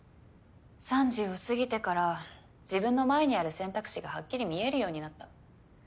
３０を過ぎてから自分の前にある選択肢がはっきり見えるようになった。